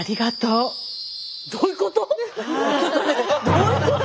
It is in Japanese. どういうこと？